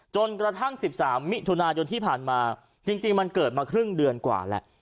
จนกระทั่ง๑๓มิถุนายนที่ผ่านมาจริงมันเกิดมาครึ่งเดือนกว่าแล้ว